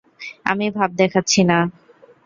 আমি ভাব দেখাচ্ছি না।